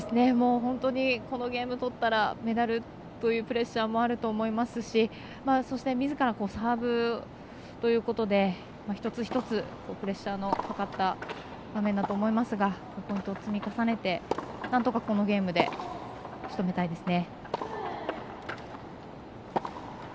本当にこのゲーム取ったらメダルというプレッシャーもあると思いますしそしてみずからもサーブということで一つ一つプレッシャーのかかった場面だと思いますがポイントを積み重ねてなんとかこのゲームでしとめたいですね。